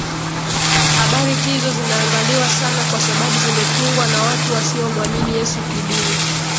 Habari hizo zinaangaliwa sana kwa sababu zimetungwa na watu wasiomwamini Yesu kidini